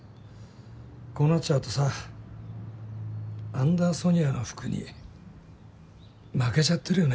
こうなっちゃうとさアンダーソニアの服に負けちゃってるよね